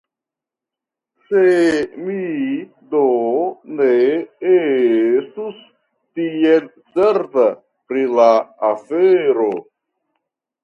Se mi do ne estus tiel certa pri la afero !